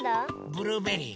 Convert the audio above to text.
ブルーベリー！